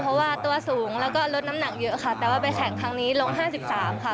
เพราะว่าตัวสูงแล้วก็ลดน้ำหนักเยอะค่ะแต่ว่าไปแข่งครั้งนี้ลง๕๓ค่ะ